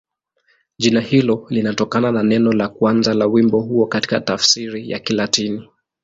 Jina hilo linatokana na neno la kwanza la wimbo huo katika tafsiri ya Kilatini.